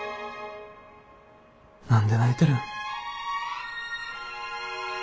何で泣いてるん？